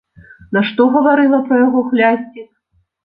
Нашто гаварыла пра яго хлясцік!